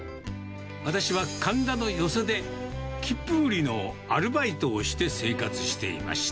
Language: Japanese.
私は神田の寄席で、切符売りのアルバイトをして生活していました。